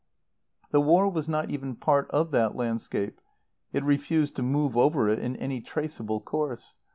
The war was not even part of that landscape; it refused to move over it in any traceable course.